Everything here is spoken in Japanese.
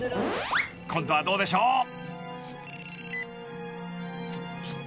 ［今度はどうでしょう］